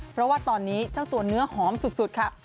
เพราะว่าตอนนี้เจ้าตัวเนื้อหอมสุดค่ะ